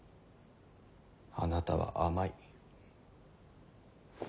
あなたは甘い。